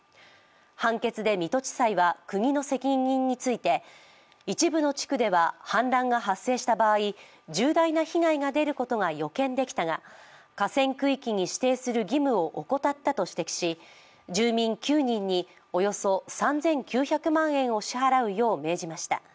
判決で水戸地裁は国の責任について一部の地区では氾濫が発生した場合、重大な被害が出ることが予見できたが河川区域に指定する義務を怠ったと指摘し、住民９人におよそ３９００万円を支払うよう命じました。